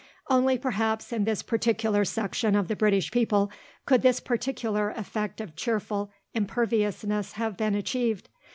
Only perhaps in this particular section of the British people could this particular effect of cheerful imperviousness have been achieved.